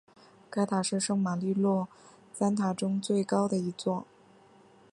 该塔是圣马利诺三塔之中最高的一座。